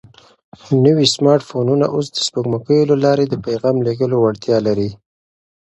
نوي سمارټ فونونه اوس د سپوږمکیو له لارې د پیغام لېږلو وړتیا لري.